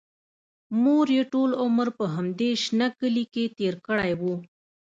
مور یې ټول عمر په همدې شنه کلي کې تېر کړی و